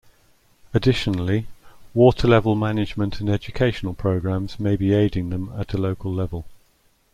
Additionally, water-level management and educational programs may be aiding them at a local level.